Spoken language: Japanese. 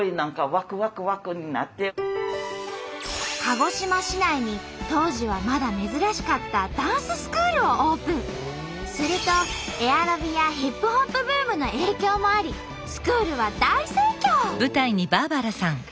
鹿児島市内に当時はまだ珍しかったするとエアロビやヒップホップブームの影響もありスクールは大盛況！